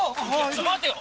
ちょっと待てよ。